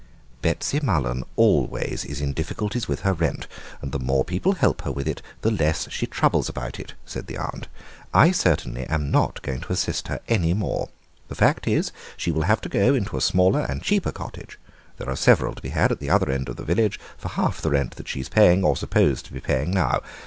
"Betsy Mullen always is in difficulties with her rent, and the more people help her with it the less she troubles about it," said the aunt. "I certainly am not going to assist her any more. The fact is, she will have to go into a smaller and cheaper cottage; there are several to be had at the other end of the village for half the rent that she is paying, or supposed to be paying, now.